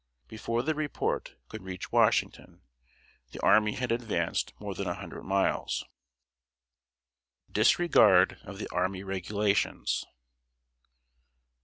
Before the report could reach Washington, the army had advanced more than a hundred miles! [Sidenote: DISREGARD OF THE ARMY REGULATIONS.